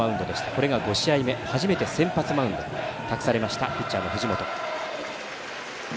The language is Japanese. これが５試合目初めて先発マウンドを託されましたピッチャーの藤本。